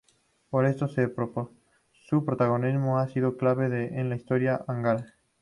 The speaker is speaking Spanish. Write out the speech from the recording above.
Por esto su protagonismo ha sido clave en la historia húngara.